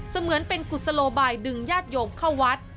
เหมือนเป็นกุศโลบายดึงญาติโยมเข้าวัด